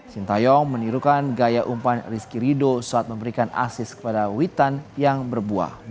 sintayong menirukan gaya umpan rizky ridho saat memberikan asis kepada witan yang berbuah